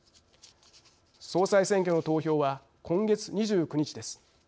総裁選挙の投票は今月２９日です。